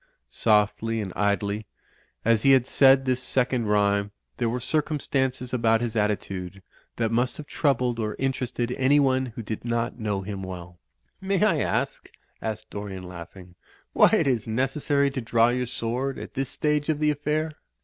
Softly and idly as he had said this second rh)rme, there were circumstances about his attitude that must ; have troubled or interested anyone who did not know ■y him wrell. ■^ "May I ask," asked Dorian, laughing, "why it is i> necessary to draw your sword at this stage of the .; affair?"